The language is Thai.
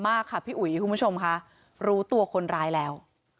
มากค่ะพี่อุ๋ยคุณผู้ชมค่ะรู้ตัวคนร้ายแล้ว